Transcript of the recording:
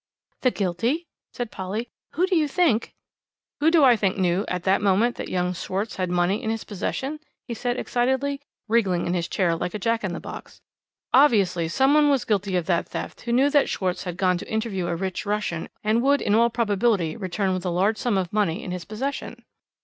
"The guilty?" said Polly. "Who do you think " "Who do I think knew at that moment that young Schwarz had money in his possession?" he said excitedly, wriggling in his chair like a Jack in the box. "Obviously some one was guilty of that theft who knew that Schwarz had gone to interview a rich Russian, and would in all probability return with a large sum of money in his possession?"